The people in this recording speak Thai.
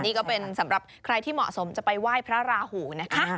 นี่ก็เป็นสำหรับใครที่เหมาะสมจะไปไหว้พระราหูนะคะ